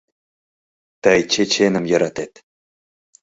Тый чеченым йӧратет.